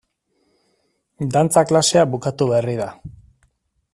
Dantza klasea bukatu berri da.